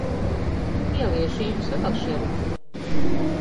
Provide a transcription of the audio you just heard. Ieliešu Jums vēl, šerif.